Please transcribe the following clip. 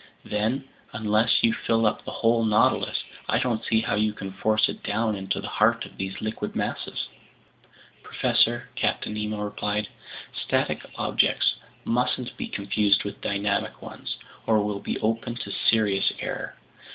"Then unless you fill up the whole Nautilus, I don't see how you can force it down into the heart of these liquid masses." "Professor," Captain Nemo replied, "static objects mustn't be confused with dynamic ones, or we'll be open to serious error.